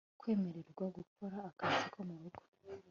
kwemererwa gukora akazi ko murugo